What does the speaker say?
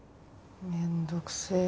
面倒くせえ。